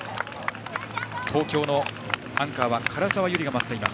東京のアンカーは唐沢ゆりが待っています。